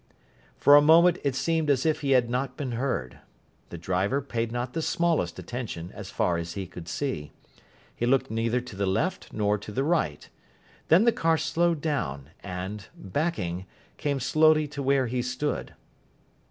For a moment it seemed as if he had not been heard. The driver paid not the smallest attention, as far as he could see. He looked neither to the left nor to right. Then the car slowed down, and, backing, came slowly to where he stood.